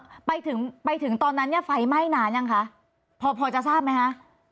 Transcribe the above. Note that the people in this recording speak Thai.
ไปถึงไปถึงตอนนั้นเนี่ยไฟไหม้นานยังคะพอพอจะทราบไหมคะ